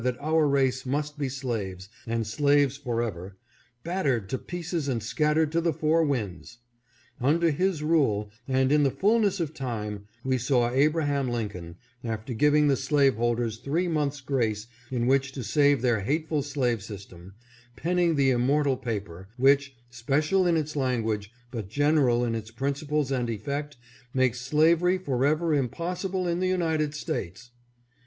that our race must be slaves and slaves forever, battered to pieces and scattered to the four winds ; under his rule, and in the fullness of time, we saw Abraham Lincoln, after giving the slaveholders three months' grace in which to save their hateful slave system, penning the im mortal paper, which, special in its language, but general in its principles and effect, makes slavery forever impos sible in the United States.